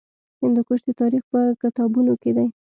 هندوکش د تاریخ په کتابونو کې دی.